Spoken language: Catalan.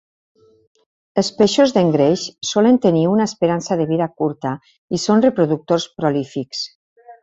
Els peixos d'engreix solen tenir una esperança de vida curta i són reproductors prolífics.